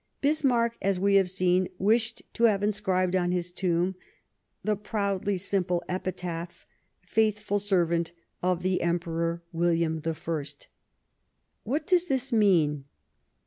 Bismarck, as we have seen, wished to have in scribed on his tomb the proudly simple epitaph, " Faithful servant of the Emperor William I." What does this mean